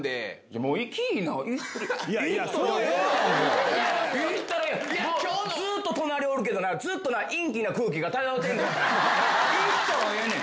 もうずっと隣おるけどな、ずっとな、陰気な空気が漂ってんねん。